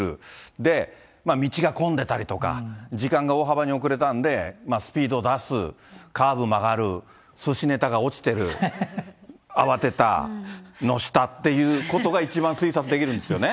で、道が混んでたりとか、時間が大幅に遅れたんでスピード出す、カーブ曲がる、すしねたが落ちてる、慌てた、載せたっていうことが一番推察できるんですよね。